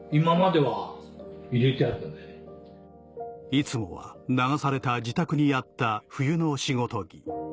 いつもは流された自宅にあった冬の仕事着